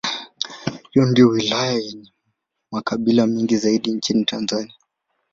Hii ndiyo wilaya yenye makabila mengi zaidi nchini Tanzania.